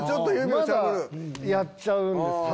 まだやっちゃうんです。